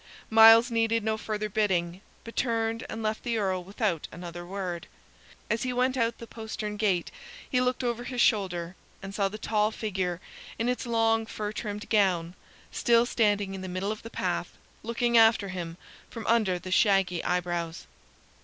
Myles needed no further bidding, but turned and left the Earl without another word. As he went out the postern gate he looked over his shoulder, and saw the tall figure, in its long fur trimmed gown, still standing in the middle of the path, looking after him from under the shaggy eyebrows.